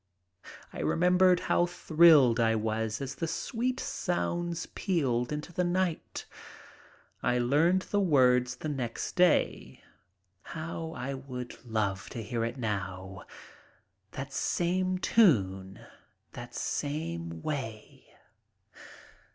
I remembered how thrilled I was as the sweet sounds pealed into the night. I learned the words the next day. How I would love to hear it now, that same tune, that same way!